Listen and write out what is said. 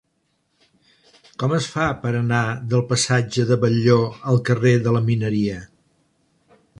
Com es fa per anar del passatge de Batlló al carrer de la Mineria?